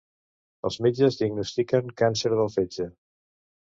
Els metges diagnostiquen càncer del fetge.